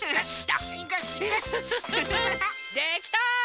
できた！